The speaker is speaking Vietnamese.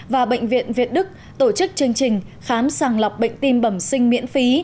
và bệnh viện việt đức tổ chức chương trình khám sàng lọc bệnh tim bẩm sinh miễn phí